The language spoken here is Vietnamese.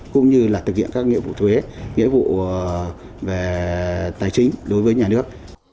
cũng như là thực hiện các nghĩa vụ thuế nghĩa vụ về tài chính đối với nhà nước